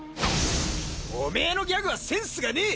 オメエのギャグはセンスがねえ！